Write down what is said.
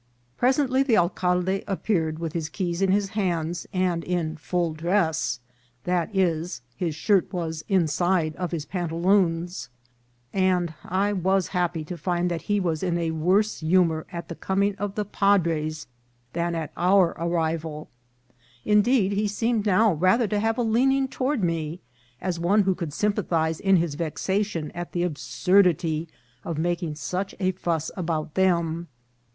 Presently the alcalde appeared, with his keys in his hands and in full dress, i. e., his shirt was inside of his pantaloons; and I was happy to find that he was in a worse humour at the coming of the padres than at our arrival ; indeed, he seemed now rather to have a leaning toward me, as one who could sympathize in his vexation at the absurdity of making such a fuss about them.